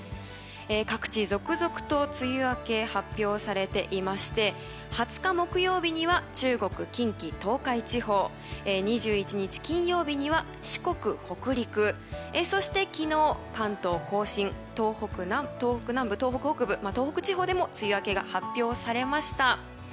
各地、続々と梅雨明けが発表されていまして２０日木曜日には中国、近畿・東海地方２１日、金曜日には四国、北陸そして昨日、関東・甲信東北南部、東北北部と東北地方でも梅雨明けが発表されました。